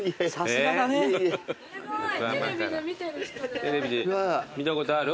すごい！テレビで見たことある？